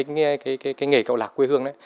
nghề kẹo lạc quê hương